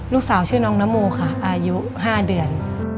ลูกสาวชื่อน้องนโมค่ะอายุ๕เดือน